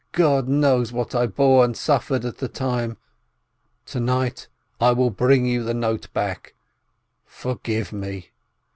.. God knows what I bore and suffered at the time ... To night I will bring you the note back ... Forgive me!